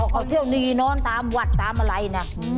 เขาเที่ยวดีนอนตามวัดตามอะไรนะ